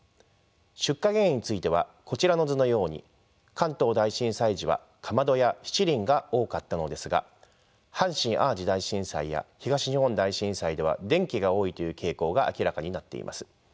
出火原因についてはこちらの図のように関東大震災時はかまどやしちりんが多かったのですが阪神・淡路大震災や東日本大震災では電気が多いという傾向が明らかになっています。